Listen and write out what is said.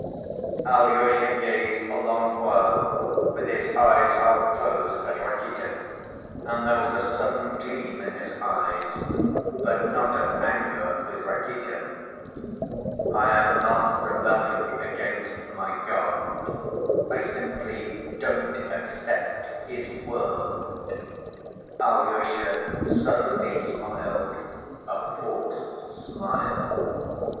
Alyosha gazed a long while with his eyes half closed at Rakitin, and there was a sudden gleam in his eyes ... but not of anger with Rakitin. "I am not rebelling against my God; I simply 'don't accept His world.' " Alyosha suddenly smiled a forced smile.